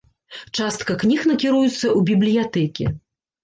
Частка кніг накіруецца ў бібліятэкі.